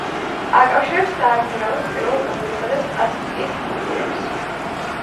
აკავშირებს საადმირალოს პირველ კუნძულსა და სპასკის კუნძულებს.